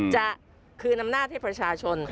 จะคืนอำนาจให้ประชาชน